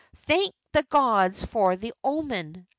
"Thank the gods for the omen!"